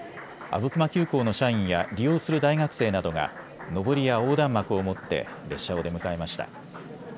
阿武隈急行の社員や利用する大学生などがのぼりや横断幕を持って列車を出迎えました。